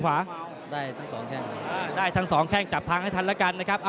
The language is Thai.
ก็จับทางให้ทันแล้วกันนะครับ